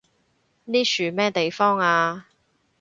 呢樹咩地方啊？